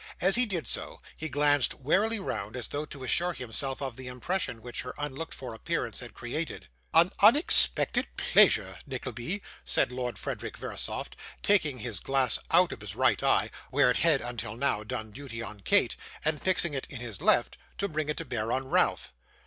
As he did so, he glanced warily round as though to assure himself of the impression which her unlooked for appearance had created. 'An unexpected playsure, Nickleby,' said Lord Frederick Verisopht, taking his glass out of his right eye, where it had, until now, done duty on Kate, and fixing it in his left, to bring it to bear on Ralph.